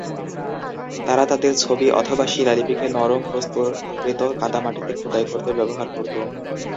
তারা তাদের ছবি অথবা শিলালিপিকে নরম, প্রস্তুতকৃত কাদামাটিতে খোদাই করতে ব্যবহার করত।